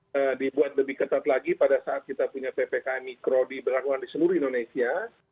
yang dibuat lebih ketat lagi pada saat kita punya ppkm mikro diberlakukan di seluruh indonesia